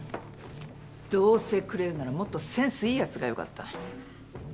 どうせくれるならもっとセンスいいやつが良かった。